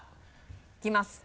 いきます！